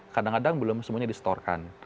kadang kadang belum semuanya distorkan